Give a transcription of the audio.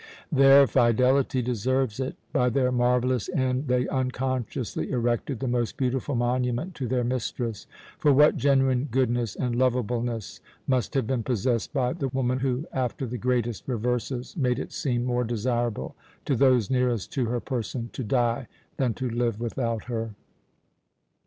Their fidelity deserves it. By their marvellous end they unconsciously erected the most beautiful monument to their mistress; for what genuine goodness and lovableness must have been possessed by the woman who, after the greatest reverses, made it seem more desirable to those nearest to her person to die than to live without her!"